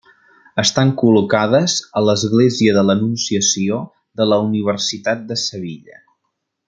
Estan col·locades a l'església de l'Anunciació de la universitat de Sevilla.